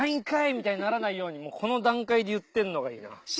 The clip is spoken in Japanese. みたいにならないようにこの段階で言ってるのがいいな。